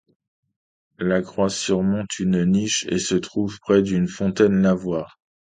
La croix surmonte une niche et se trouve près d'une fontaine-lavoir.